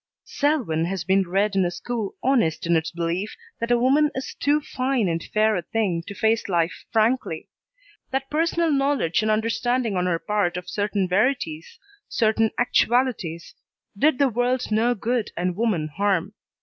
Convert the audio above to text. Selwyn has been reared in a school honest in its belief that a woman is too fine and fair a thing to face life frankly; that personal knowledge and understanding on her part of certain verities, certain actualities, did the world no good and woman harm.